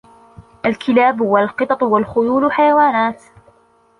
الكلاب والقطط والخيول حيوانات.